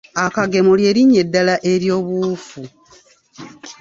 Akagemo ly'erinnya eddala ery'obuwufu.